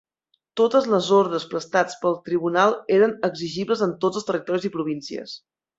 Totes les ordres prestats pel Tribunal eren exigibles en tots els territoris i províncies.